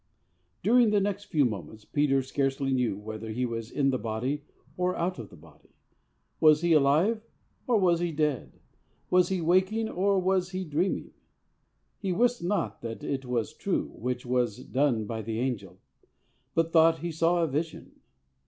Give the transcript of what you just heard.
I During the next few moments Peter scarcely knew whether he was in the body or out of the body. Was he alive or was he dead? Was he waking or was he dreaming? 'He wist not that it was true which was done by the angel, but thought he saw a vision.'